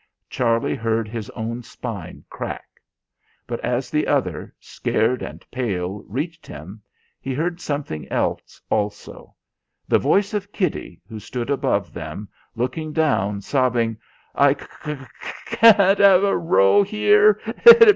Charlie heard his own spine crack; but as the other, scared and pale, reached him, he heard something else also; the voice of Kitty, who stood above them, looking down, sobbing: "I c c can't have a row here.